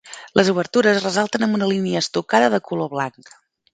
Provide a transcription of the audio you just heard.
Les obertures es ressalten amb una línia estucada de color blanc.